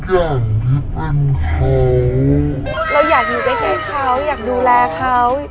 เราอยากอยู่ใกล้เขาอยากดูแลเขา